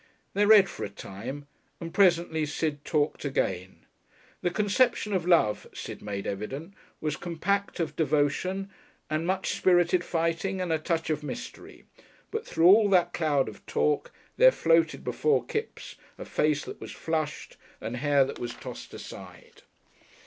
They read for a time, and presently Sid talked again. The conception of love Sid made evident was compact of devotion and much spirited fighting and a touch of mystery; but through all that cloud of talk there floated before Kipps a face that was flushed and hair that was tossed aside.